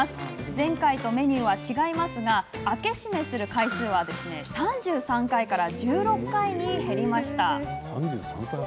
前回とメニューは違いますが開け閉めする回数は３３回から１６回に減りました。